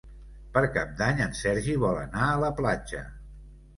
Per Cap d'Any en Sergi vol anar a la platja.